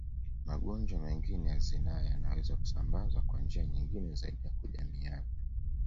Magonjwa mengine ya zinaa yanaweza kusambazwa kwa njia nyingine zaidi ya kujamiiana